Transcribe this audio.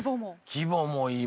規模もいい